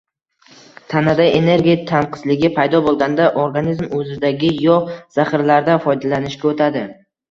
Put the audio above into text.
Tanada energiya tanqisligi paydo bo‘lganda organizm o‘zidagi yog‘ zaxiralaridan foydalanishga o‘tadi.